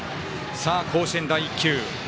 甲子園第１球。